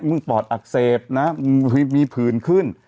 ปอดอักเสบนะมีผื่นขึ้น